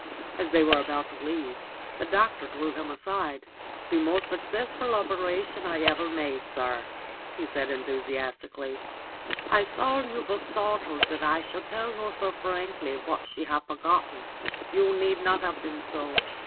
As they were about to leave, the doctor drew him aside. "The most successful operation I ever made, sir," he said, enthusiastically. "I saw you were startled that I should tell her so frankly what she had forgotten. You need not have been so.